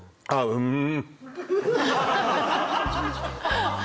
うん